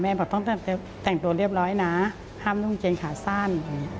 แม่บอกต้องแต่งตัวเรียบร้อยนะห้ามนุ่มเกงขาดสั้น